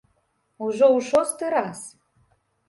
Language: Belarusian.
Ужо ў шосты раз.